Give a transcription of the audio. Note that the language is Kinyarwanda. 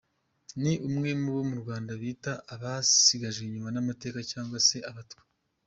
Ni umwe mu bo mu Rwanda bita abasigajwe inyuma n'amateka cyangwa se abatwa .